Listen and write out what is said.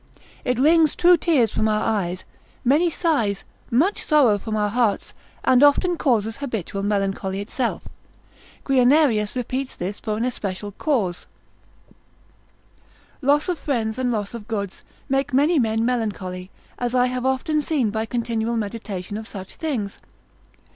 it wrings true tears from our eyes, many sighs, much sorrow from our hearts, and often causes habitual melancholy itself, Guianerius tract. 15. 5. repeats this for an especial cause: Loss of friends, and loss of goods, make many men melancholy, as I have often seen by continual meditation of such things.